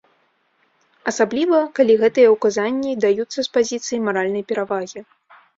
Асабліва калі гэтыя ўказанні даюцца з пазіцыі маральнай перавагі.